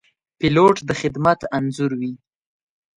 پیلوټ د خدمت انځور وي.